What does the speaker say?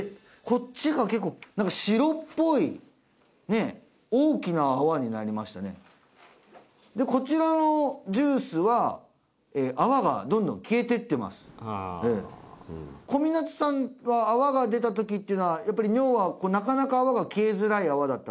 こっちが結構何か白っぽいねえ大きな泡になりましたねでこちらのジュースは泡がどんどん消えてってます小湊さんが泡が出たときっていうのはやっぱり尿はそうですね